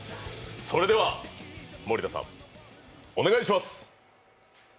それでは盛田さん、お願いします。